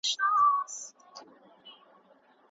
د هسکو غرونو درې ډکي کړلې